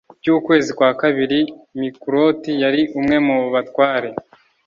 cy ukwezi kwa kabiri mikuloti yari umwe mu batware